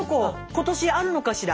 今年あるのかしら？